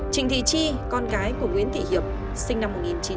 trình thị chi con cái của nguyễn thị hiệp sinh năm một nghìn chín trăm bảy mươi chín